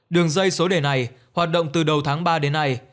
đường dây số đề này hoạt động từ đầu tháng ba đến nay